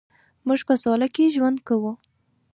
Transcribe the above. مونږ په سوله کې ژوند کوو